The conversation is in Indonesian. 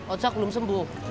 ojek belum sembuh